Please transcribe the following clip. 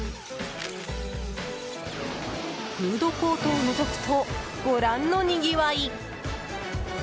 フードコートをのぞくとご覧のにぎわい。